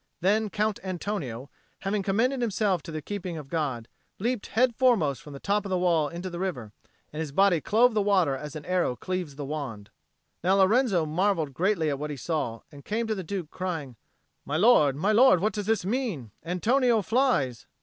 Then Count Antonio, having commended himself to the keeping of God, leapt head foremost from the top of the wall into the river, and his body clove the water as an arrow cleaves the wand. Now Lorenzo marvelled greatly at what he saw, and came to the Duke crying, "My lord, what does this mean? Antonio flies!"